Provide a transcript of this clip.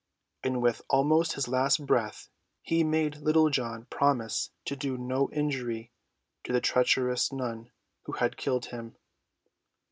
And with almost his last breath he made Little John promise to do no injury to the treacherous nun who had killed him.